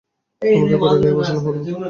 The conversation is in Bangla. আমাদের ঘরে নিয়ে বসানো হল।